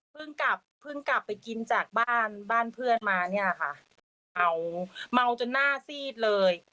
กลับเพิ่งกลับไปกินจากบ้านบ้านเพื่อนมาเนี่ยค่ะเมาเมาจนหน้าซีดเลย